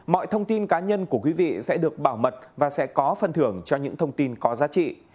mọi thông tin cá nhân của quý vị sẽ được bảo mật và sẽ có phần thưởng cho những thông tin có giá trị